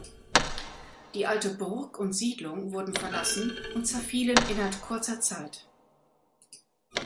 Die alte Burg und Siedlung wurden verlassen und zerfielen innert kurzer Zeit.